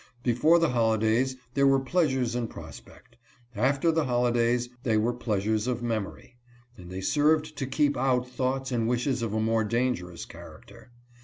Before the holidays there were pleas ures in prospect; after the holidays they were pleas ures of memory, and they served to keep out thoughts and wishes of a more dangerous character.